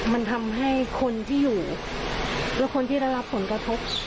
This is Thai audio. มันทำให้คนที่อยู่และคนที่ได้รับผลกระทบ